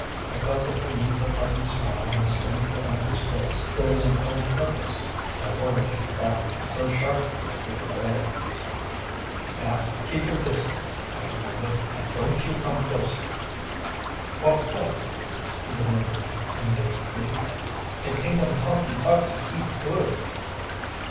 I felt that beneath the pleasant smile he was trying to put on his face there was an ill purpose. I ordered him back, and so sharply that he obeyed. “Now keep your distance,‚ÄĚ I commanded, “and don’t you come closer!‚ÄĚ “Wha’ fo‚Äô?‚ÄĚ he demanded indignantly. “I t’ink um talkee talkee heap good.